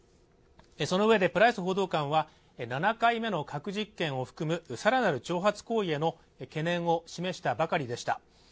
そのうえでプライス報道官は７回目の核実験を含む更なる挑発行為への懸念を示したばかりでした。